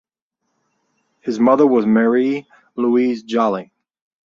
His mother was Marie Louise Jolly.